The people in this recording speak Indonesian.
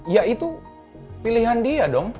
ya itu pilihan dia dong